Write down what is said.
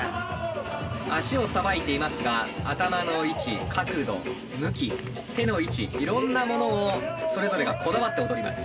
足をさばいていますが頭の位置角度向き手の位置いろんなものをそれぞれがこだわって踊ります。